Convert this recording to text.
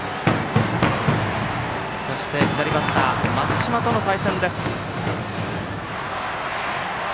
そして、左バッター松嶋との対戦です。